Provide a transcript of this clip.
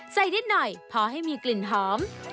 นิดหน่อยพอให้มีกลิ่นหอม